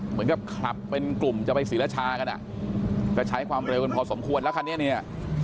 เหมือนกับขับเป็นกลุ่มจะไปศรีรชากันอ่ะก็ใช้ความเร็วกันพอสมควรแล้วคันนี้เนี่ย